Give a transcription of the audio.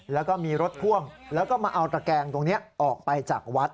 แล้วก็มีรถพ่วงแล้วก็มาเอาตระแกงตรงนี้ออกไปจากวัด